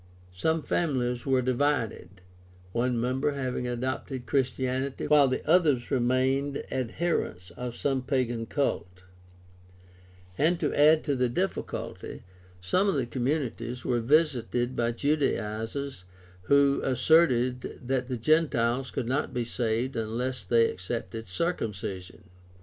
Sometimes families were divided, one member having adopted Christianity while the others remained ad THE STUDY OF EARLY CHRISTIANITY 287 herents of some pagan cult. And to add to the difficulty, some of the communities were visited by Judaizers who asserted that the Gentiles could not be saved unless they accepted circumcision.